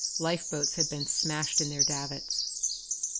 Lifeboats had been smashed in their davits.